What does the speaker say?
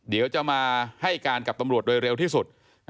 เดี๋ยวจะมาให้การกับตำรวจโดยเร็วที่สุด